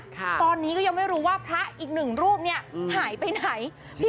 ตอนนี้ก็ยังไม่รู้ว่าพระอีกหนึ่งรูปเนี่ยหายไปไหน